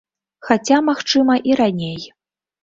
Хаця, магчыма, і раней.